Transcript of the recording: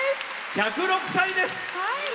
１０６歳です！